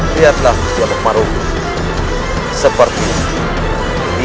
lihatlah setiap kemarungan seperti ini